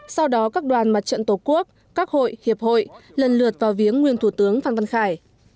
sau đó các đoàn mặt trận tổ quốc các hội hiệp hội lần lượt vào viếng nguyên thủ tướng phan văn khải